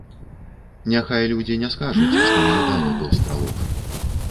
Няхай людзі не скажуць, што няўдалы быў стралок.